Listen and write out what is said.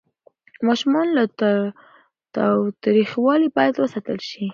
ماشومان له تاوتریخوالي باید وساتل شي.